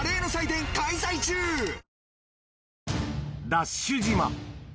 ＤＡＳＨ島